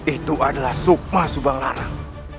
itu adalah sukma subang larang